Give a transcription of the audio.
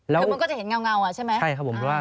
มันก็จะเห็นเงาใช่ไหมใช่ครับผม